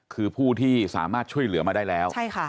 คือผู้ที่สามารถช่วยเหลือมาได้แล้ว